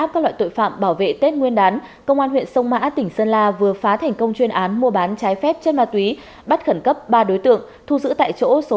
cảm ơn các bạn đã theo dõi